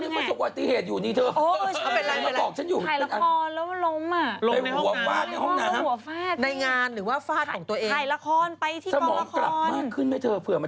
ได้ยินมาสองสามวันแล้วว่าน้องล้มในกลางละครเข้าห้องน้ำ